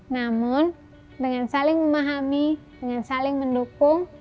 namun dengan saling memahami dengan saling mendukung